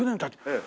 ええ。